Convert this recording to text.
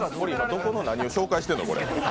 どこの何を紹介してるの？